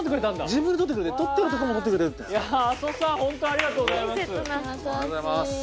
ありがとうございます。